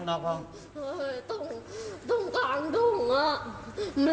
แต่หนูไม่เคยคุยกับมัน